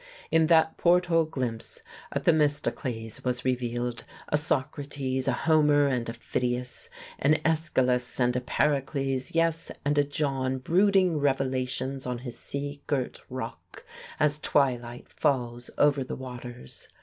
In that port hole glimpse a Themistocles was revealed, a Socrates, a Homer and a Phidias, an AEschylus, and a Pericles; yes, and a John brooding Revelations on his sea girt rock as twilight falls over the waters....